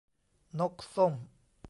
นกส้ม